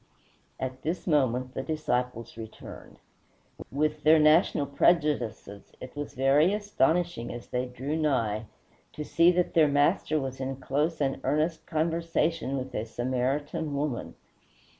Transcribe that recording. At this moment the disciples returned. With their national prejudices, it was very astonishing, as they drew nigh, to see that their Master was in close and earnest conversation with a Samaritan woman.